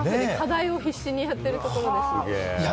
課題を必死にしているところです。